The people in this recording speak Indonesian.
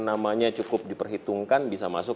namanya cukup diperhitungkan bisa masuk